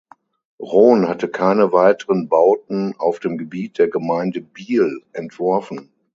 Rohn hat keine weiteren Bauten auf dem Gebiet der Gemeinde Biel entworfen.